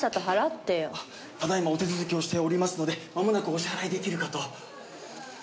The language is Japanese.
ただ今お手続きをしておりますのでまもなくお支払い出来るかと。